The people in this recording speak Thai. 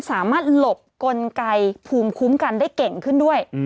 หลบกลไกภูมิคุ้มกันได้เก่งขึ้นด้วย